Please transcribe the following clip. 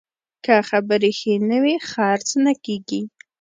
که خبرې ښې نه وي، خرڅ نه کېږي.